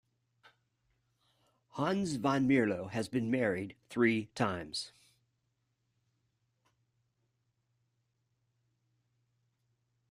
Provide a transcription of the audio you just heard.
Hans van Mierlo has been married three times.